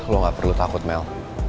lo gak perlu takut mel